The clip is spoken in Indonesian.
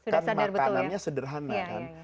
kan makanannya sederhana kan